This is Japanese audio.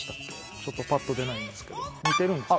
ちょっとぱっと出ないんですけど似てるんですか？